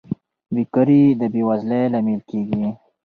بېکاري د بې وزلۍ لامل کیږي.